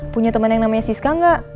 punya temen yang namanya siska gak